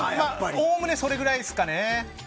おおむね、それぐらいですかね。